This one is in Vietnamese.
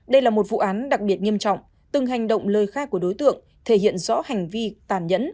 đây là một vụ án đặc biệt nghiêm trọng từng hành động lời khai của đối tượng thể hiện rõ hành vi tàn nhẫn